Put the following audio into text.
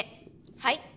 はい。